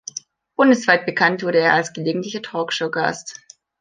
Bundesweit bekannt wurde er als gelegentlicher Talkshow-Gast.